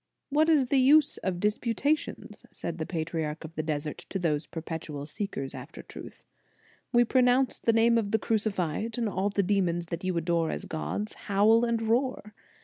"What is the use of disputa tions?" said the patriarch of the desert to those perpetual seekers after truth. "We pro nounce the name of the Crucified, and all the demons that you adore as gods, howl and roar.